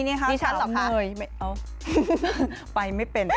นี่ฉันเหรอคะนี่สาวเนยเอ้าไปไม่เป็น